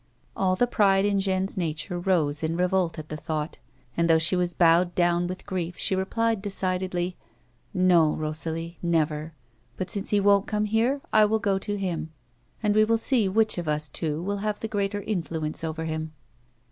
All the pride in Jeanne's nature rose in revolt at the thought, and, though she was bowed down with grief, she replied decidedly : "No, Rosalie, never. But since he won't come here I will go to him, and we will see which of us two will have the greater influence over him."